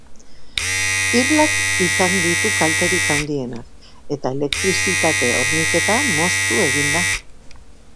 Irlak izan ditu kalterik handienak, eta elektrizitate horniketa moztu egin da.